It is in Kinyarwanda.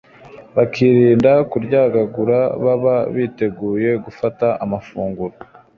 bakirinda kuryagagura, baba biteguye gufata amafunguro